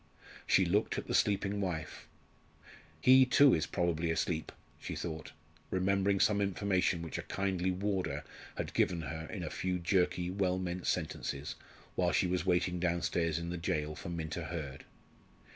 She looked at the sleeping wife. "He, too, is probably asleep," she thought, remembering some information which a kindly warder had given her in a few jerky, well meant sentences, while she was waiting downstairs in the gaol for Minta Hurd.